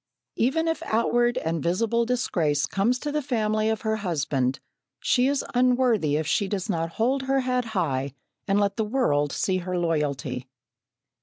Even if outward and visible disgrace comes to the family of her husband, she is unworthy if she does not hold her head high and let the world see her loyalty.